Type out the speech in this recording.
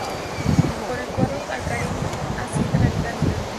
Con el cuadro alcarreño asciende a la Liga Adelante.